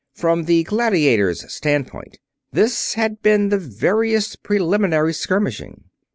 From the gladiators' standpoint, this had been the veriest preliminary skirmishing.